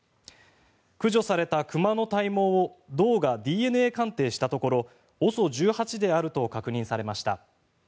駆除された熊の体毛を道がＤＮＡ鑑定したところＯＳＯ１８であると確認されました。